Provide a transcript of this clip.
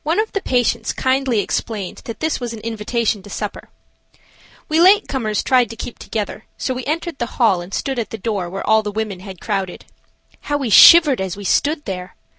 One of the patients kindly explained that this was an invitation to supper. We late comers tried to keep together, so we entered the hall and stood at the door where all the women had crowded. How we shivered as we stood there!